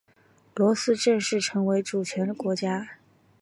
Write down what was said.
罗斯正式成为主权国家。